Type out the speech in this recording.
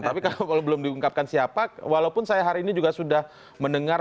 tapi kalau belum diungkapkan siapa walaupun saya hari ini juga sudah mendengar